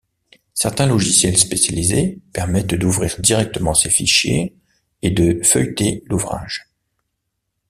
Certains logiciels spécialisés permettent d'ouvrir directement ces fichiers et de feuilleter l'ouvrage.